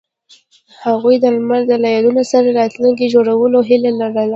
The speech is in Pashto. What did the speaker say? هغوی د لمر له یادونو سره راتلونکی جوړولو هیله لرله.